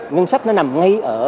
ngân sách nó nằm ngay ở